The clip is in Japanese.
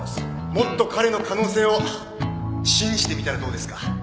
もっと彼の可能性を信じてみたらどうですか？